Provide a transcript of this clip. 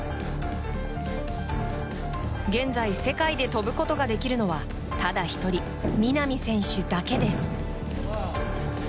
現在、世界で跳ぶことができるのはただ１人、南選手だけです。